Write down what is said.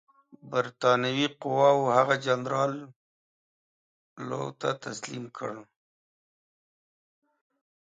برټانوي قواوو هغه جنرال لو ته تسلیم کړ.